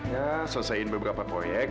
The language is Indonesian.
ya selesaiin beberapa proyek